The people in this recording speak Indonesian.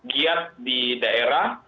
giat di daerah